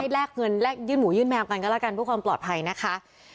แลกเงินแลกยื่นหมูยื่นแมวกันก็แล้วกันเพื่อความปลอดภัยนะคะ